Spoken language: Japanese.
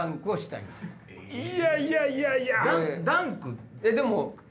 いやいやいやいや！